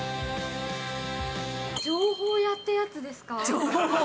情報屋ってやつですか？